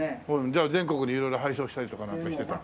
じゃあ全国に色々配送したりとかなんかしてた？